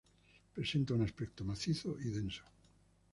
Presenta un aspecto macizo y denso.